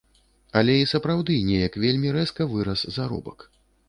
Але і сапраўды, неяк вельмі рэзка вырас заробак.